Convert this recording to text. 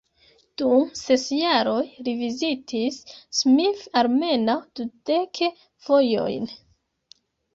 Dum ses jaroj li vizitis Smith almenaŭ dudek fojojn.